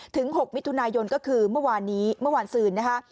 ถึง๖มิถุนายนก็คือเมื่อวานซืนนะคะ